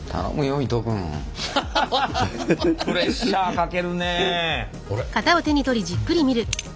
プレッシャーかけるね。